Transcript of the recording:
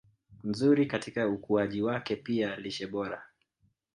nzuri katika ukuaji wake Pia lishe bora